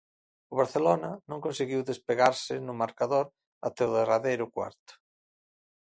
O Barcelona non conseguiu despegarse no marcador ata o derradeiro cuarto.